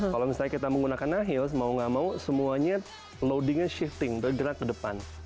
kalau misalnya kita menggunakan high heels mau gak mau semuanya loadingnya shifting bergerak ke depan